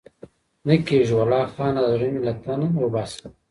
نه كيږي ولا خانه دا زړه مـي لـه تن وبــاسـه